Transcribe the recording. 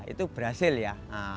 itu berhasil ya